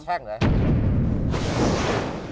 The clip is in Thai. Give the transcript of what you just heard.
แช่งไหม